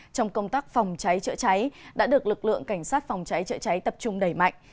trong công tác phòng cháy chữa cháy đã được lực lượng cảnh sát phòng cháy chữa cháy tập trung đẩy mạnh